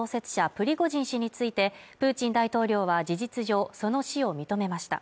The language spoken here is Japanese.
プリゴジン氏についてプーチン大統領は事実上その死を認めました